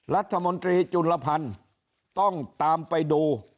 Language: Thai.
รัฐมนตรีจุลพันธ์ต้องตามไปดู